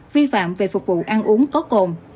vi phạm về phục vụ ăn uống có cồn